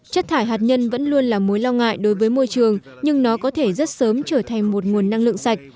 chất thải hạt nhân vẫn luôn là mối lo ngại đối với môi trường nhưng nó có thể rất sớm trở thành một nguồn năng lượng sạch